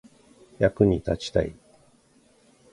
役に立ちたい